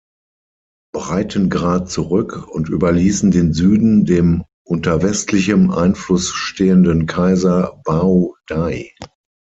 Breitengrad zurück und überließen den Süden dem unter westlichem Einfluss stehenden Kaiser Bảo Đại.